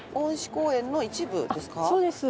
そうです。